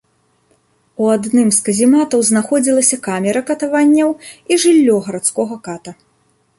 У адным з казематаў знаходзілася камера катаванняў і жыллё гарадскога ката.